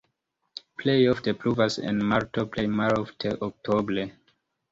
Plej ofte pluvas en marto, plej malofte oktobre.